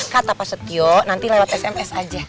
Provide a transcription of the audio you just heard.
kata pak setio nanti lewat sms aja